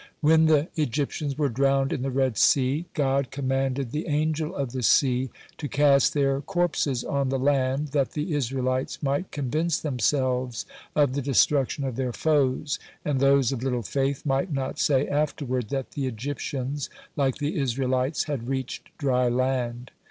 When the Egyptians were drowned in the Red Sea, God commanded the Angel of the Sea to cast their corpses on the land, that the Israelites might convince themselves of the destruction of their foes, and those of little faith might not say afterward that the Egyptians like the Israelites had reached dry land.